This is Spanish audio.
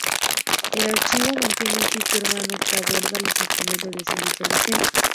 El archivo mantiene un sitio hermano que aborda los argumentos del Diseño Inteligente.